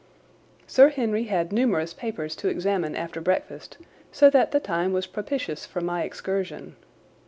Sir Henry had numerous papers to examine after breakfast, so that the time was propitious for my excursion.